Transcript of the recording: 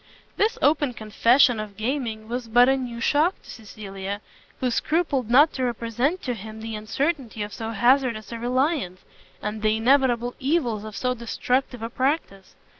This open confession of gaming was but a new shock to Cecilia, who scrupled not to represent to him the uncertainty of so hazardous a reliance, and the inevitable evils of so destructive a practice.